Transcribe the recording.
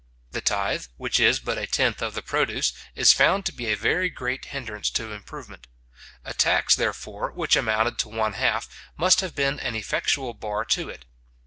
The tithe, which is but a tenth of the produce, is found to be a very great hindrance to improvement. A tax, therefore, which amounted to one half, must have been an effectual bar to it.